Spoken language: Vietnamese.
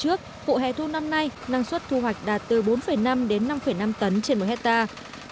sau những vụ mùa trước vụ hè thu năm nay năng suất thu hoạch đạt từ bốn năm đến năm năm tấn trên một hectare